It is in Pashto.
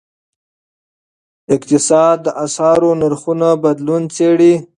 اقتصاد د اسعارو نرخونو بدلون څیړي.